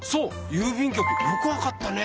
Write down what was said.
郵便局よくわかったね。